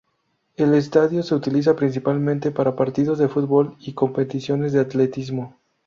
El estadio se utiliza principalmente para partidos de fútbol y competiciones de atletismo.